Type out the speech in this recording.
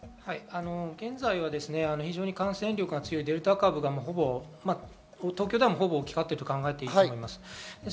現在は非常に感染力が強いデルタ株が東京を覆っていると言っていいと思います。